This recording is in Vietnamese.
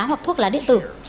hoặc thuốc lá điện tử